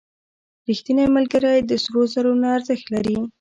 • رښتینی ملګری د سرو زرو نه ارزښت لري.